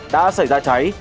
đã xảy ra cháy